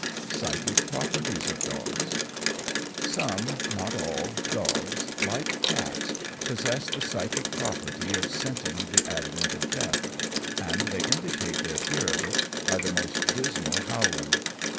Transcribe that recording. Psychic Properties of Dogs Some, not all, dogs like cats possess the psychic property of scenting the advent of death, and they indicate their fear of it by the most dismal howling.